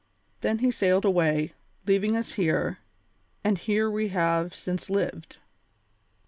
Then he sailed away, leaving us here, and here we have since lived.